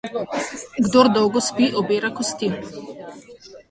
Kdor dolgo spi, obira kosti.